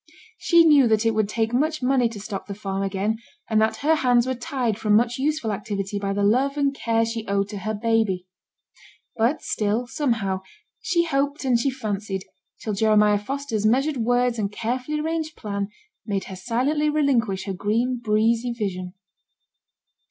She knew that it would take much money to stock the farm again, and that her hands were tied from much useful activity by the love and care she owed to her baby. But still, somehow, she hoped and she fancied, till Jeremiah Foster's measured words and carefully arranged plan made her silently relinquish her green, breezy vision.